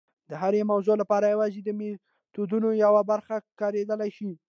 د هرې موضوع لپاره یوازې د میتودونو یوه برخه کارېدلی شي.